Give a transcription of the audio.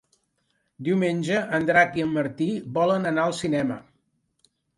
Diumenge en Drac i en Martí volen anar al cinema.